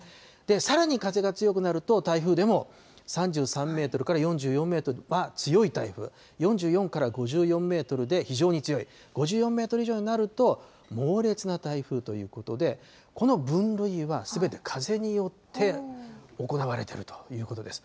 さらに風が強くなると、台風でも、３３メートルから４４メートル、強い台風、４４から５４メートルで非常に強い、５４メートル以上になると猛烈な台風ということで、この分類はすべて風によって行われているということです。